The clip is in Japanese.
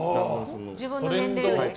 自分の年齢よりも？